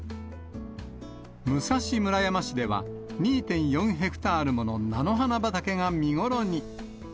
武蔵村山市では、２．４ヘクタールもの菜の花畑が見頃に。